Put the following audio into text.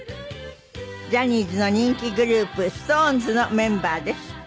ジャニーズの人気グループＳｉｘＴＯＮＥＳのメンバーです。